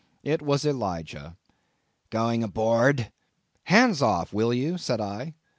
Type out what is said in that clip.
It was Elijah. "Going aboard?" "Hands off, will you," said I.